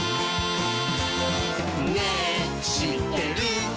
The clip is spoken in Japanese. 「ねぇしってる？」